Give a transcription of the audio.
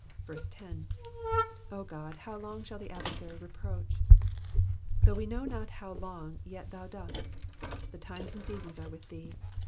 10. 0 Godf how long shall the adversary reproach V* Though wo know not how long yet thou dost. The times and seasons arc with thee.